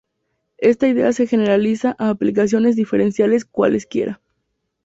Esta idea se generaliza a aplicaciones diferenciables cualesquiera.